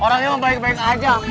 orangnya memang baik baik aja